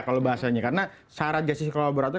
kalau bahasanya karena syarat justice kolaborator